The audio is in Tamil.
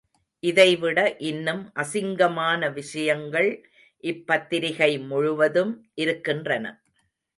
இதைவிட இன்னும் அசிங்கமான விஷயங்கள் இப்பத்திரிகை முழுவதும் இருக்கின்றன.